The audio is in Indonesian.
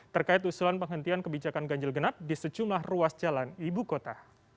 terkait usulan penghentian kebijakan ganjil genap di sejumlah ruas jalan ibu kota